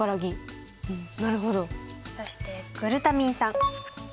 そしてグルタミン酸。